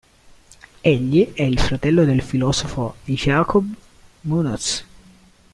Egli è il fratello del filosofo Jacobo Muñoz.